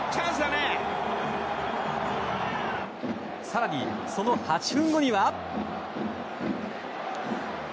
更にその８分後には。